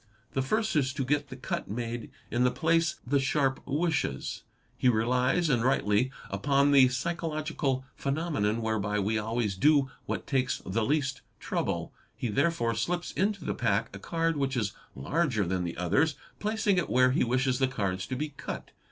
The first is to get the cut made in the place the sharp wishes. He relies, and rightly, upon the psychological phenomenon whereby we always do what takes the least trouble. He therefore slips into the pack a card which is larger than the others, placing it where he wishes the cards to be cut.